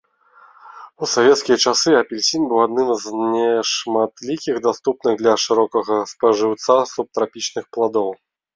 У савецкія часы апельсін быў адным з нешматлікіх даступных для шырокага спажыўца субтрапічных пладоў.